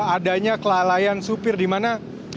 adanya kelalaian supir dimana